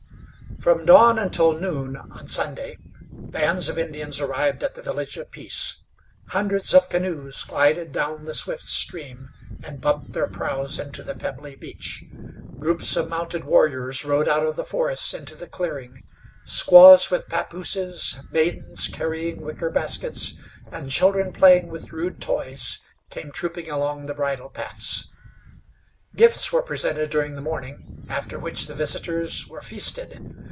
From dawn until noon on Sunday bands of Indians arrived at the Village of Peace. Hundreds of canoes glided down the swift stream and bumped their prows into the pebbly beach. Groups of mounted warriors rode out of the forests into the clearing; squaws with papooses, maidens carrying wicker baskets, and children playing with rude toys, came trooping along the bridle paths. Gifts were presented during the morning, after which the visitors were feasted.